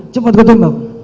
cepat kau tembak